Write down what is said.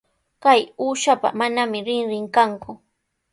Kay uushapa manami rinrin kanku.